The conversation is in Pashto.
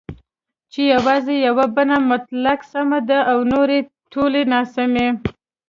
چې یوازې یوه بڼه مطلق سمه ده او نورې ټولې ناسمي